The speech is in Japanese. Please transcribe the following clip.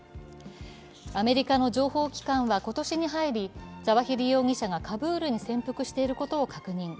アメリカの情報機関は今年に入り、ザワヒリ容疑者がカブールに潜伏していることを確認。